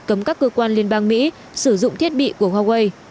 cấm các cơ quan liên bang mỹ sử dụng thiết bị của huawei